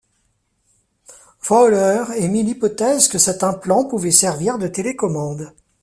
Fawler émit l'hypothèse que cet implant pouvait servir de télécommande.